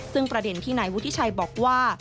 ซึ่งประเด็นที่นายวุฒิชัยบอกว่า